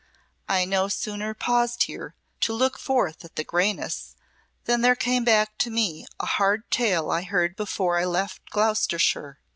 "I no sooner paused here to look forth at the greyness than there came back to me a hard tale I heard before I left Gloucestershire.